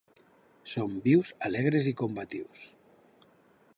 Som vius, alegres i combatius.